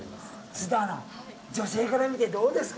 津田アナ、女性から見て、どうですか？